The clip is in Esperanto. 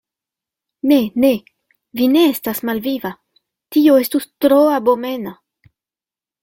Ne, ne, vi ne estas malviva: tio estus tro abomena.